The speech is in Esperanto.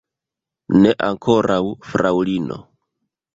Ne ankoraŭ, fraŭlino.